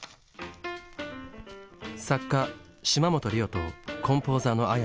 作家・島本理生とコンポーザーのＡｙａｓｅ。